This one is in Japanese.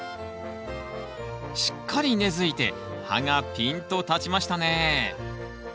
しっかり根づいて葉がピンと立ちましたね。